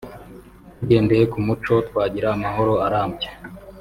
tugendeye ku muco twagira amahoro arambye